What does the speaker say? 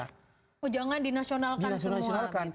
oh jangan dinasionalkan semua gitu pak